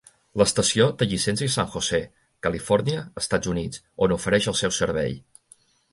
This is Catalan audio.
L'estació té llicència a San Jose, Califòrnia, Estats Units, on ofereix el seu servei.